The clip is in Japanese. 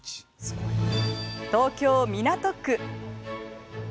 東京・港区。